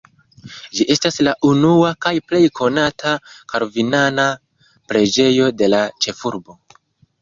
Ĝi estas la unua kaj plej konata kalvinana preĝejo de la ĉefurbo.